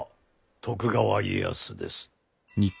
徳川家康です。